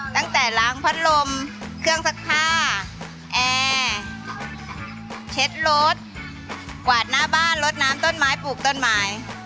ตั้งแต่ล้างพัดลมเครื่องซักผ้าแอร์เช็ดรถกวาดหน้าบ้านลดน้ำต้นไม้ปลูกต้นไม้